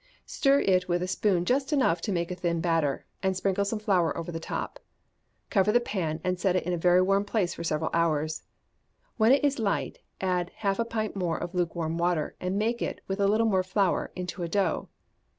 Stir it with a spoon just enough to make a thin batter, and sprinkle some flour over the top. Cover the pan, and set it in a warm place for several hours. When it is light, add half a pint more of lukewarm water, and make it, with a little more flour, into a dough.